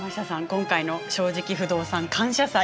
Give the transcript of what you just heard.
今回の「正直不動産感謝祭」